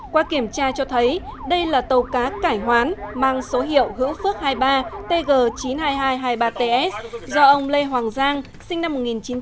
qua kiểm tra cho thấy đây là tàu cá cải hoán mang số hiệu phước hai mươi ba tg chín mươi hai nghìn hai trăm hai mươi ba ts do ông lê hoàng giang sinh năm một nghìn chín trăm tám mươi